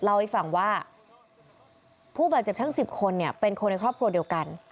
เล่าให้ฟังว่าผู้บาดเจ็บทั้ง๑๐คนเนี่ยเป็นคนในครอบครัวเดียวกัน